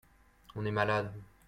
On est malade.